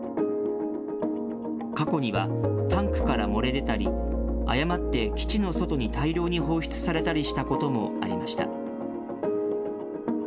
過去には、タンクから漏れ出たり、誤って基地の外に大量に放出されたりしたこともありました。